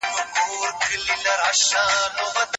څوک باید د څېړني املا او انشا سمه کړي؟